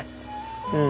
うん。